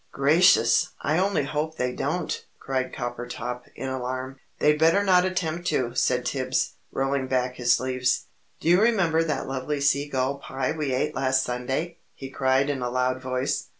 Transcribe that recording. "Gracious! I only hope they don't!" cried Coppertop, in alarm. "They'd better not attempt to!" said Tibbs, rolling back his sleeves. "Do you remember that lovely sea gull pie we ate last Sunday!" he cried in a loud voice.